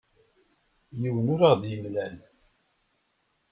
Yiwen ur aɣ-d-yemlal.